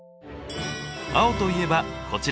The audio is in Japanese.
青といえばこちら。